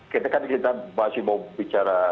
kita kan kita masih mau bicara